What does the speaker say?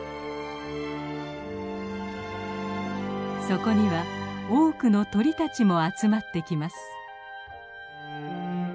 そこには多くの鳥たちも集まってきます。